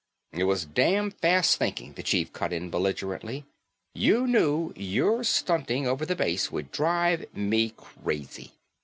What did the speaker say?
"It was damn fast thinking," the chief cut in belligerently, "you knew your stunting over the base would drive me crazy.